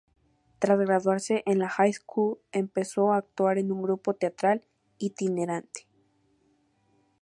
Tras graduarse en la high school, empezó a actuar en un grupo teatral itinerante.